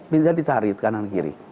bisa dicari kanan kiri